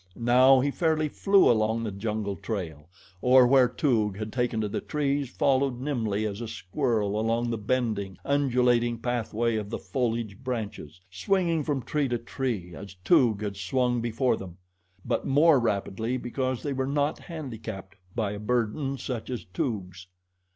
Now he fairly flew along the jungle trail, or, where Toog had taken to the trees, followed nimbly as a squirrel along the bending, undulating pathway of the foliage branches, swinging from tree to tree as Toog had swung before them; but more rapidly because they were not handicapped by a burden such as Toog's.